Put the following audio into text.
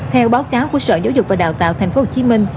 theo báo cáo của sở giáo dục và đào tạo thành phố hồ chí minh